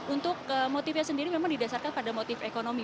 untuk motifnya sendiri memang didasarkan pada motif ekonomi